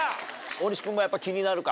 大西君もやっぱ気になるか？